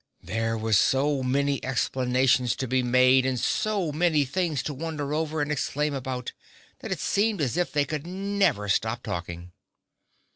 There were so many explanations to be made and so many things to wonder over and exclaim about, that it seemed as if they could never stop talking.